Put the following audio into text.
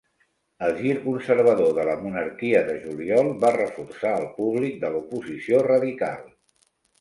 El gir conservador de la Monarquia de Juliol va reforçar el públic de l'oposició radical.